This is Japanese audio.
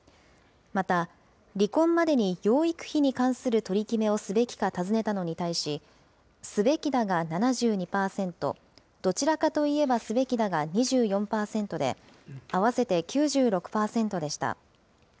また、離婚までに養育費に関する取り決めをすべきか尋ねたのに対し、すべきだが７２％、どちらかといえばすべきだが２４％で、合わせて９６％でした。